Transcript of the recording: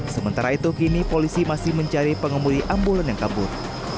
sementara itu kini polisi masih mencari pengemudi ambulan yang kabur